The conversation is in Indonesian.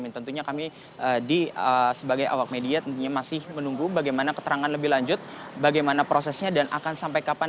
tentunya kami sebagai awak media tentunya masih menunggu bagaimana keterangan lebih lanjut bagaimana prosesnya dan akan sampai kapan